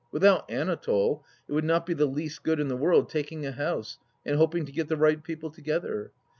Without Anatole it would not be the least good in the world taking a house and hoping to get the right people together.